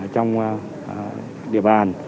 trong địa bàn